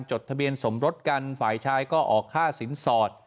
จดทะเบียนสมรสกันฝ่ายชายก็ออกค่าสินสอด